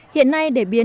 hiện nay để biển